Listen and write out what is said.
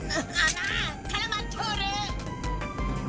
あからまっとる！？